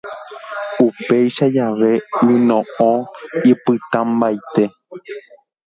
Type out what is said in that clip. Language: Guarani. Upéicha jave yno'õ ipytãmbaite.